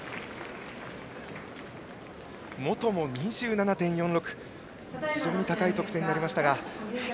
本も２７．４６と非常に高い得点になりました。